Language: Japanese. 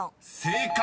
［正解。